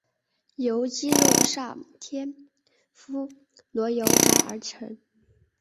由鸡肉上天妇罗油炸而成。